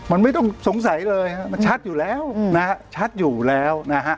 มันไม่ต้องสงสัยเลยมันชัดอยู่แล้ว